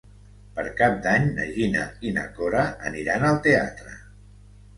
Per Cap d'Any na Gina i na Cora aniran al teatre.